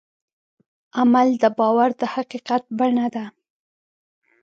عمل د باور د حقیقت بڼه ده.